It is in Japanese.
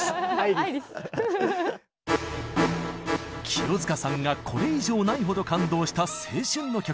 清塚さんがこれ以上ないほど感動した青春の曲！